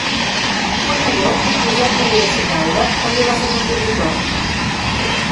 Un nebot, Josep Ullés i Daura, també va ser compositor.